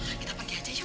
aduh kita panggil aja yuk